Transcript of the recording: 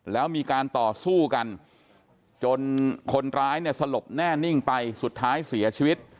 แล้วมีการต่อสู้กันจนคนร้ายเนี่ยสลบแน่นิ่งไปสุดท้ายเสียชีวิต